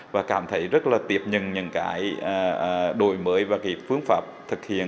và cảm thấy rất là tiếp nhận những cái đổi mới và cái phương pháp thực hiện